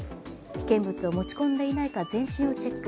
危険物を持ち込んでいないかい、全身をチェック。